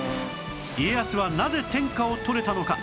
家康はなぜ天下を取れたのか？